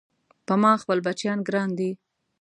په ما خپل بچيان ګران دي